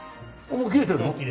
もう切れてる。